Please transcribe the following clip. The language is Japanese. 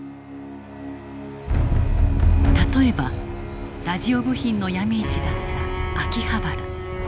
例えばラジオ部品のヤミ市だった秋葉原。